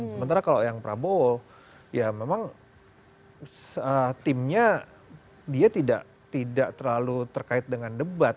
sementara kalau yang prabowo ya memang timnya dia tidak terlalu terkait dengan debat